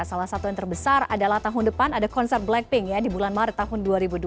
salah satu yang terbesar adalah tahun depan ada konser blackpink ya di bulan maret tahun dua ribu dua puluh